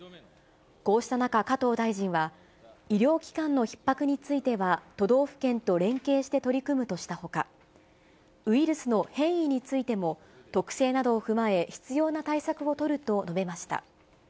こうした中、加藤大臣は、医療機関のひっ迫については、都道府県と連携して取り組むとしたほか、ウイルスの変異についても特性などを踏まえ、必要な対策を取ると述べました。